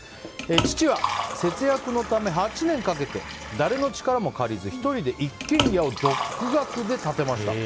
父は節約のため、８年かけて誰の力も借りず１人で一軒家を独学で建てました。